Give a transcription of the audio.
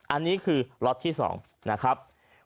อันนี้คือล็อตที่๒นะครับ